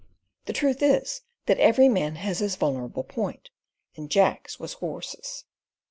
The truth is, that every man has his vulnerable point, and Jack's was horses.